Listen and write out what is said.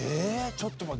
ちょっと待って。